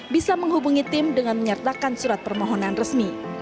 bisa menghubungi tim dengan menyertakan surat permohonan resmi